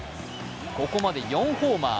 ここまで４ホーマー。